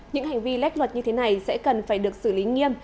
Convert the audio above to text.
những hành vi lách luật như thế này sẽ cần phải được xử lý nghiêm